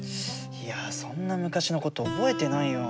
いやそんな昔のこと覚えてないよ。